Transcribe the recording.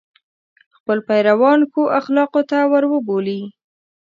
خپل پیروان ښو اخلاقو ته وروبولي.